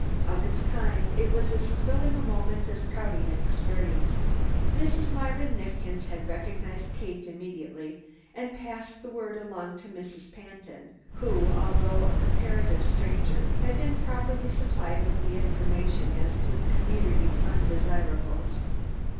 Of its kind, it was as thrilling a moment as Prouty had experienced. Mrs. Myron Neifkins had recognized Kate immediately and passed the word along to Mrs. Pantin who, although a comparative stranger, had been properly supplied with information as to the community's undesirables.